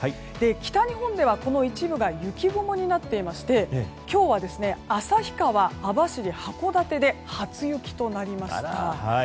北日本では、この一部が雪雲になっていまして今日は旭川、網走、函館で初雪となりました。